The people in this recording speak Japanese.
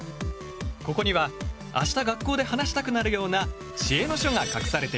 ここには明日学校で話したくなるような知恵の書が隠されている。